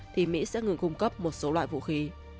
thì mỹ sẽ ngừng cung cấp một số loại vũ khí